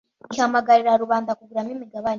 ihamagarira rubanda kuguramo imigabane